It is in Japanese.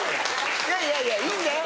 いやいやいやいいんだよ